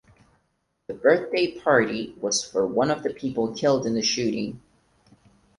The birthday party was for one of the people killed in the shooting.